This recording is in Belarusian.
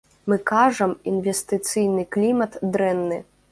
Мы кажам, інвестыцыйны клімат дрэнны.